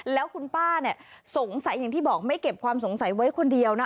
แล้วคุณป้าเนี่ยสงสัยอย่างที่บอกไม่เก็บความสงสัยไว้คนเดียวนะ